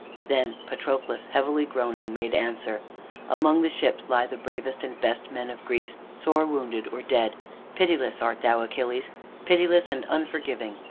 Then Patroclus, heavily groaning, made answer: "Among the ships lie the bravest and best of the men of Greece, sore wounded or dead. Pitiless art thou, Achilles, pitiless and unforgiving.